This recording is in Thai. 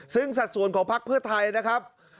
ซึ่งสัดส่วนของพักเพื่อไทยนะครับ